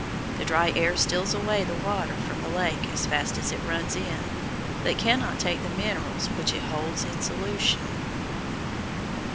The dry air steals away the water from the lake as fast as it runs in, but cannot take the minerals which it holds in solution.